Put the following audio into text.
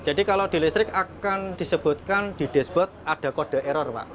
jadi kalau di listrik akan disebutkan di dashboard ada kode error pak